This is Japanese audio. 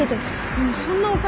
でもそんなお金。